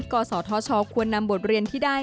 ก็สอเทาะชอบควรนำบทเรียนที่ได้